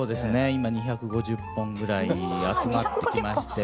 今２５０本ぐらい集まってきまして。